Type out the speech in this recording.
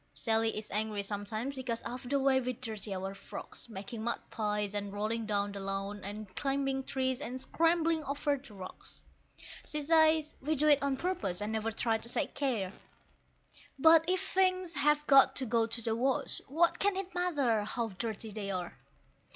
Sally is angry sometimes because of the way we dirty our frocks, Making mud pies, and rolling down the lawn, and climbing trees, and scrambling over the rocks. She says we do it on purpose, and never try to take care; But if things have got to go to the wash, what can it matter how dirty they are?